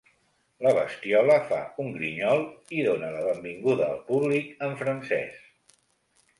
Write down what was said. La bestiola fa un grinyol i dóna la benvinguda al públic en francès.